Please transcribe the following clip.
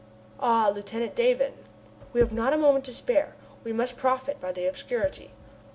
"Ah! Lieutenant Davon " "Now we have not a moment to spare, we must profit by the obscurity."